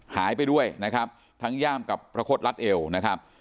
หายไปด้วยนะครับทั้งย่ามกับพระคดรัดเอวนะครับ